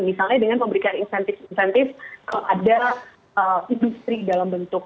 misalnya dengan pemberikan insentif insentif keadaan industri dalam bentuk